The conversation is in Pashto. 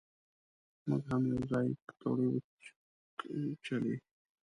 مونږ هم یو ځای پکوړې وچکچلې.